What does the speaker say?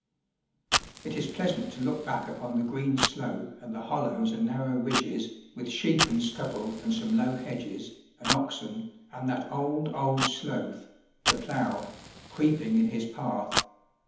It is pleasant to look back upon the green slope and the hollows and narrow ridges, with sheep and stubble and some low hedges, and oxen, and that old, old sloth the plough creeping in his path.